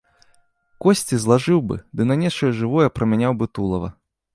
Косці злажыў бы ды на нечае жывое прамяняў бы тулава.